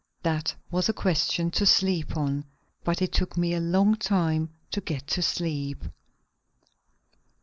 That was a question to sleep on. But it took me a long time to get to sleep.